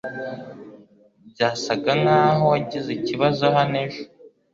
Byasaga nkaho wagize ikibazo hano ejo